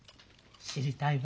知りたいわ。